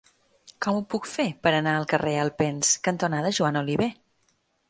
Com ho puc fer per anar al carrer Alpens cantonada Joan Oliver?